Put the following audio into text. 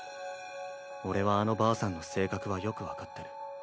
俺はあのばあさんの性格はよく分かってる。